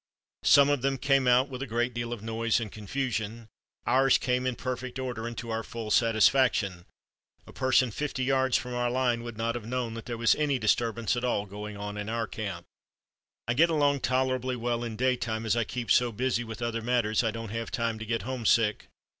Some of them came out with a great deal of noise and confusion. Ours came in perfect order and to our full satisfaction; a person fifty yards from our line would not have known that there was any disturbance at all going on in our camp.... "I get along tolerably well in daytime, as I keep so busy with other matters I don't have time to get homesick.